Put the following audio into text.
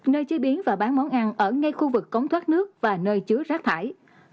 nơi chế biến và bán món ăn ở ngay khu vực cống thoát nước và nơi chứa rác thải